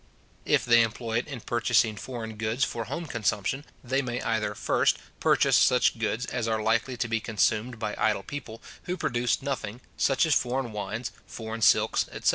If they employ it in purchasing foreign goods for home consumption, they may either, first, purchase such goods as are likely to be consumed by idle people, who produce nothing, such as foreign wines, foreign silks, etc.